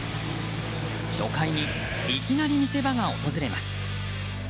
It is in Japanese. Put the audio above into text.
初回にいきなり見せ場が訪れます。